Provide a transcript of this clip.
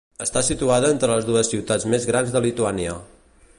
Està situada entre les dues ciutats més grans de Lituània: